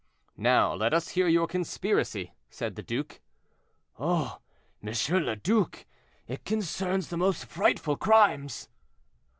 "Now let us hear your conspiracy," said the duke. "Oh! M. le Duc, it concerns the most frightful crimes."